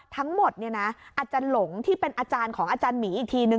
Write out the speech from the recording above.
ทั้งหมดอาจารย์หลงที่เป็นอาจารย์ของอาจารย์หมีอีกทีนึง